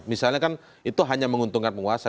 misalnya kan itu hanya menguntungkan penguasa